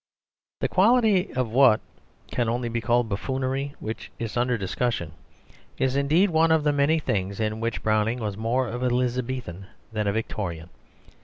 The quality of what, can only be called buffoonery which is under discussion is indeed one of the many things in which Browning was more of an Elizabethan than a Victorian.